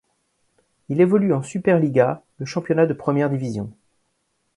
Il évolue en SuperLiga, le championnat de première division.